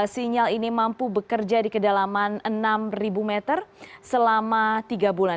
sinyal ini mampu bekerja di kedalaman enam meter selama tiga bulan